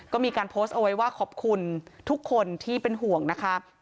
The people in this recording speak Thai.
ก็มีการโพสต์เอาไว้ว่าขอบคุณทุกคนที่เป็นห่วงนะคะ